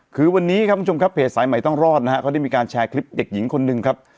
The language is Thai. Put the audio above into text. คือวันนี้ครับคุณผู้ชมครับเพจสายใหม่ต้องรอดนะฮะเขาได้มีการแชร์คลิปเด็กหญิงคนหนึ่งครับ